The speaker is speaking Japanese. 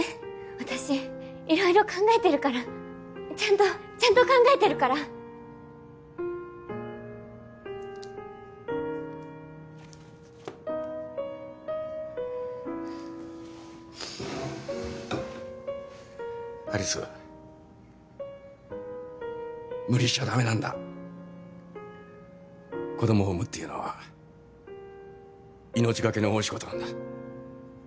私色々考えてるからちゃんとちゃんと考えてるから有栖無理しちゃダメなんだ子どもを産むっていうのは命がけの大仕事なんだ